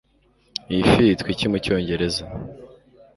iyi fi yitwa iki mu cyongereza